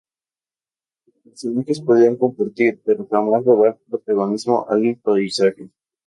Los personajes podían compartir pero jamás robar protagonismo al paisaje.